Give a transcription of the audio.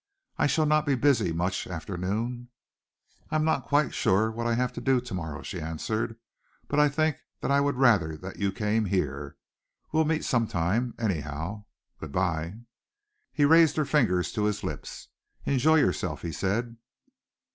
I shall not be busy much after noon." "I am not quite sure what I have to do to morrow," she answered, "but I think that I would rather that you came here. We'll meet sometime, anyhow. Good bye!" He raised her fingers to his lips. "Enjoy yourself," he said.